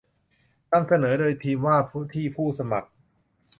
นำเสนอโดยทีมว่าที่ผู้สมัคร